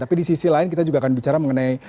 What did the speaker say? tapi di sisi lain kita juga akan bicara mengenai